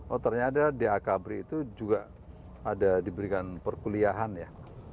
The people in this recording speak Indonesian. oh ternyata di akabri itu juga ada diberikan perkuliahan ya